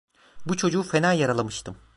Bu çocuğu fena yaralamıştım.